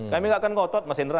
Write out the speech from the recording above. kami nggak akan ngotot mas indra